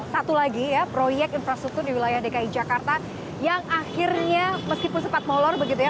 satu lagi ya proyek infrastruktur di wilayah dki jakarta yang akhirnya meskipun sempat molor begitu ya